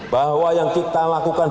bahwa yang kita lakukan